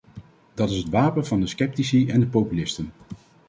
Dat is het wapen van de sceptici en de populisten.